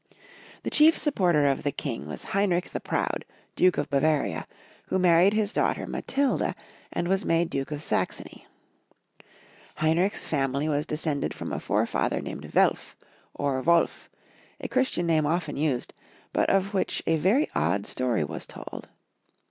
The chief supporter of the King was Hein rich the Proud, Duke of Bavaria, who married his daughter Matilda, and was made Duke of Saxony. Heinrich's family was descended from a forefather named Welf, or Wolf, a Christian name often used, but of which a very odd story was told.